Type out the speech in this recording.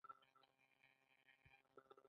د سوځیدو لپاره کوم جیل وکاروم؟